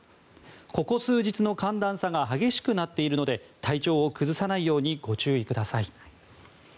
ここ数日の寒暖差が激しくなっているので体調を崩さないようにご注意ください。